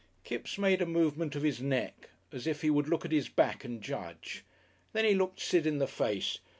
Kipps made a movement of his neck as if he would look at his back and judge. Then he looked Sid in the face.